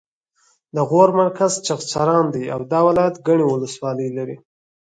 د غور مرکز چغچران دی او دا ولایت ګڼې ولسوالۍ لري